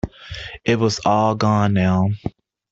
It was all gone now.